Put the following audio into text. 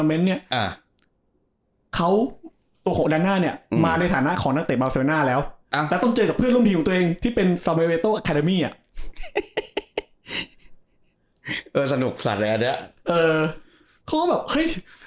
เอออะไรอันเนี้ยเออเขาแบบเฮ้ย